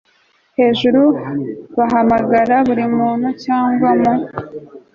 hejuru bahamagara buri muntu cyangwa mu